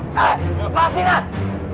eh lepasin lah